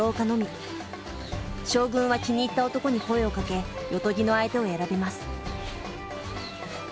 将軍は気に入った男に声をかけ夜伽の相手を選びます。